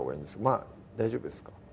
まぁ大丈夫ですか？